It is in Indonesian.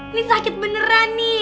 ini sakit beneran nih